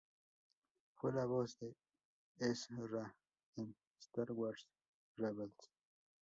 Fue la voz de Ezra en "Star Wars Rebels".